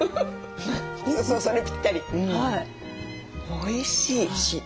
おいしい。